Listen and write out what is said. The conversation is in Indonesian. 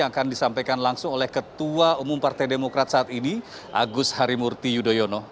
yang akan disampaikan langsung oleh ketua umum partai demokrat saat ini agus harimurti yudhoyono